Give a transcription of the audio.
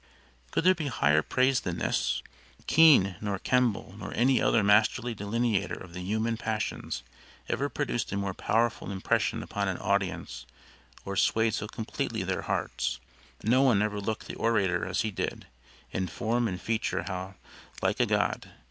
Could there be higher praise than this? Keen nor Kemble nor any other masterly delineator of the human passions ever produced a more powerful impression upon an audience or swayed so completely their hearts. No one ever looked the orator as he did; in form and feature how like a god!